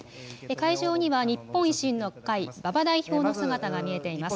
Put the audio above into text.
会場には日本維新の会、馬場代表の姿が見えています。